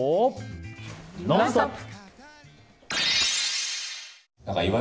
「ノンストップ！」。